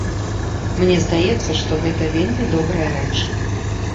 Мне здаецца, што гэта вельмі добрая рэч.